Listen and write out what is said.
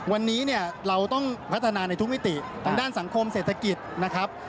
วันนี้เนี่ยเราต้องพัฒนาในทุกมิติทางด้านสังคมเศรษฐกิจนะครับ